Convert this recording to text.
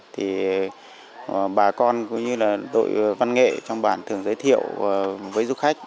thì bà con cũng như là đội văn nghệ trong bản thường giới thiệu với du khách